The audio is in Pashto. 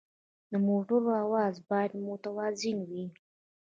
د موټر اواز باید متوازن وي.